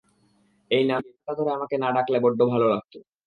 এই নামটা ধরে আমাকে না ডাকলে বড্ড ভাল লাগত!